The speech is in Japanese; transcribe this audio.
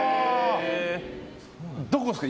どこですか？